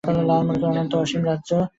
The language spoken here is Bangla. লাল মড়কের অনন্ত অসীম রাজ্য।